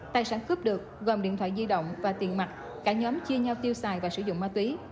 tài sản cướp được gồm điện thoại di động và tiền mặt cả nhóm chia nhau tiêu xài và sử dụng ma túy